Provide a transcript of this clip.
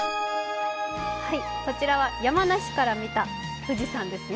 こちらは山梨から見た富士山ですね。